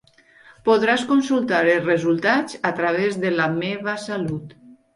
Podràs consultar els resultats a través de La Meva Salut.